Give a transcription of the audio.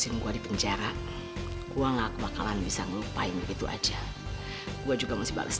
nggak punya otak lu